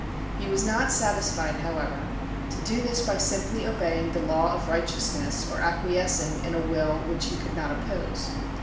He was not satisfied, however, to do this by simply obeying the law of righteousness or acquiescing in a will which he could not oppose.